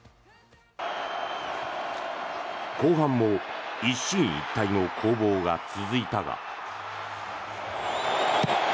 後半も一進一退の攻防が続いたが。